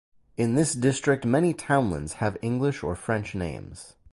In this district, many townlands have English or French names.